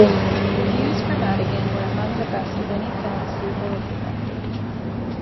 Reviews for "Madigan" were among the best of any film Siegel had directed.